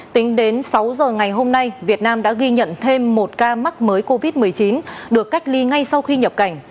tính đến sáu giờ ngày hôm nay việt nam đã ghi nhận thêm một ca mắc mới covid một mươi chín được cách ly ngay sau khi nhập cảnh